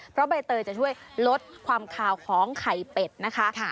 เพราะใบเตยจะช่วยลดความขาวของไข่เป็ดนะคะ